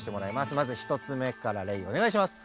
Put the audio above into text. まず１つ目からレイおねがいします。